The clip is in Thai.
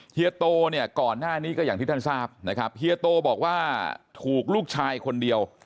เฮียโตเนี่ยก่อนหน้านี้ก็อย่างที่ท่านทราบนะครับเฮียโตบอกว่าถูกลูกชายคนเดียว